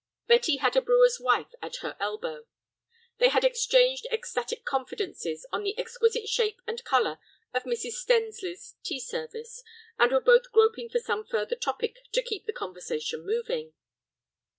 Betty had a brewer's wife at her elbow. They had exchanged ecstatic confidences on the exquisite shape and color of Mrs. Stensly's tea service, and were both groping for some further topic to keep the conversation moving.